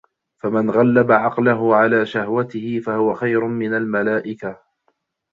فَمَنْ غَلَّبَ عَقْلَهُ عَلَى شَهْوَتِهِ فَهُوَ خَيْرٌ مِنْ الْمَلَائِكَةِ